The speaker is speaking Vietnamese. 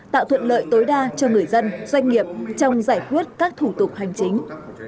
tạo thuận lợi tối đa cho người dân doanh nghiệp trong giải quyết các thủ tục hành chính